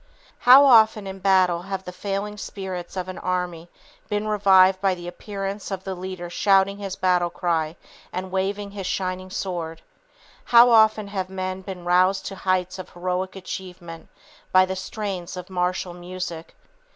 How often in battle have the failing spirits of an army been revived by the appearance of the leader shouting his battle cry and waving his shining sword! How often have men been roused to heights of heroic achievement by the strains of martial music!